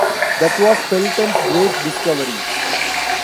That was Pelton's great discovery.